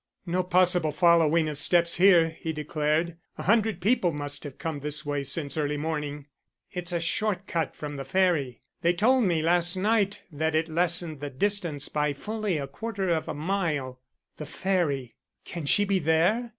"No possible following of steps here," he declared. "A hundred people must have come this way since early morning." "It's a short cut from the Ferry. They told me last night that it lessened the distance by fully a quarter of a mile." "The Ferry! Can she be there?